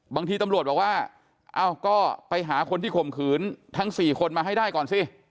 บางทีตำรวจบอกว่าเอ้าก็ไปหาคนที่ข่มขืนทั้ง๔คนมาให้ได้ก่อนสิ